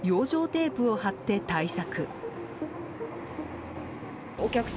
テープを貼って対策。